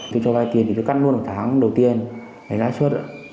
thì cho vay tiền thì tôi cắt luôn một tháng đầu tiên lấy lái suất ạ